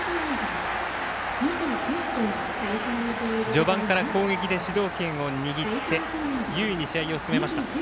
序盤から攻撃で主導権を握って優位に試合を進めました。